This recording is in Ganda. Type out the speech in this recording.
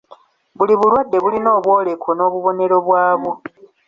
Buli bulwadde bulina obwoleko n'obubonero bwabwo.